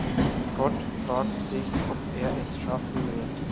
Scott fragt sich, ob er es schaffen wird.